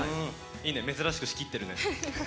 いいね、珍しく仕切ってるね。